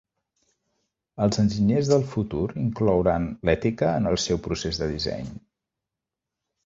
Els enginyers del futur inclouran l'ètica en el seu procés de disseny.